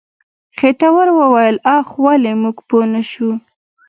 خېټور وويل اخ ولې موږ پوه نه شو.